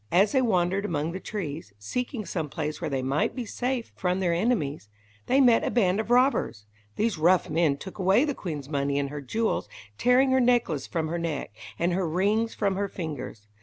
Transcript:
As they wandered among the trees, seeking some place where they might be safe from their enemies, they met a band of robbers. These rough men took away the queen's money and her jewels, tearing her necklace from her neck, and her rings from her fingers.